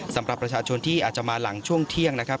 สำหรับประชาชนที่อาจจะมาหลังช่วงเที่ยงนะครับ